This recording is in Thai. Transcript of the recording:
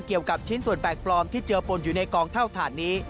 เกี่ยวกับชิ้นส่วนแปลกปลอมที่เจอปนอยู่ในกองเท่าฐานนี้